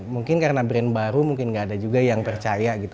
mungkin karena brand baru mungkin gak ada juga yang percaya gitu